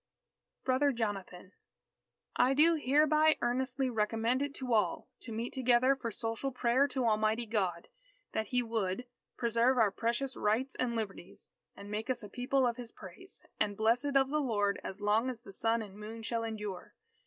_" BROTHER JONATHAN _I do hereby earnestly recommend it to all ... to meet together for social prayer to Almighty God ... that He would ... preserve our precious Rights and Liberties ... and make us a People of his praise, and blessed of the Lord, as long as the sun and the moon shall endure.